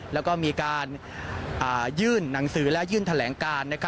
แล้วก็มีการยื่นหนังสือและยื่นแถลงการ